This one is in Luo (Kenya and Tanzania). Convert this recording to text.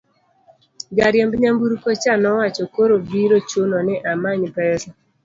jariemb nyamburko cha nowacho, koro biro chuno ni amany pesa